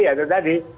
ya itu tadi